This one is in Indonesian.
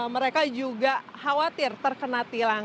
mereka juga khawatir terkena tilang